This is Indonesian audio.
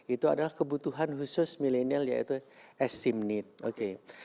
itu adalah kebutuhan khusus millennial yaitu esteem need